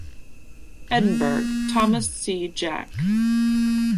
Edinburgh: Thomas C. Jack.